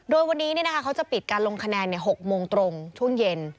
โดยวันนี้เขาจะปิดการลงคะแนน๖โมงตรงช่วงเย็น